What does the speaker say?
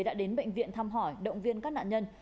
đã đến bệnh viện thăm hỏi động viên các nạn nhân